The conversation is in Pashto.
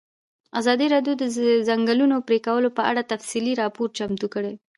ازادي راډیو د د ځنګلونو پرېکول په اړه تفصیلي راپور چمتو کړی.